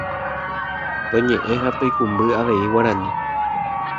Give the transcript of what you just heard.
Toñe'ẽ ha toikũmby avei Guarani